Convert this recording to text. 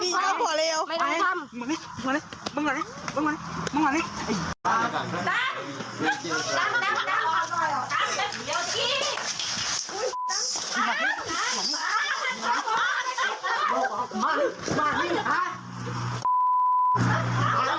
มาลองลองเหมือนได้มีเหมือนได้ไหม